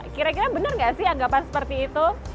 kira kira benar nggak sih anggapan seperti itu